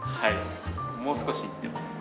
もう少しいってます。